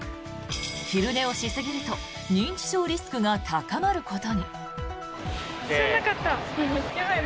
昼寝をしすぎると認知症リスクが高まることに。